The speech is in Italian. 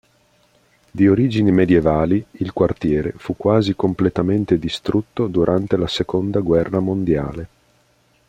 Di origini medievali, il quartiere fu quasi completamente distrutto durante la seconda guerra mondiale.